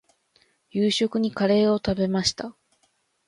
夕食にカレーを食べました。